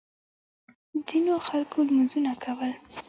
ځینو خلکو لمونځونه کول.